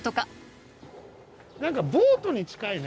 何かボートに近いね。